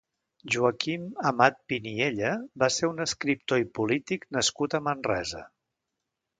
Joaquim Amat-Piniella va ser un escriptor i polític nascut a Manresa.